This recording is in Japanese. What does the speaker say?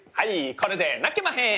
これで泣けまへん！